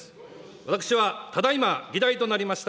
私はただいま議題となりました